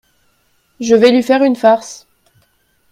Je vais lui faire une farce.